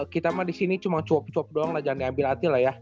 kita mah disini cuma cuop cuop doang lah jangan diambil hati lah ya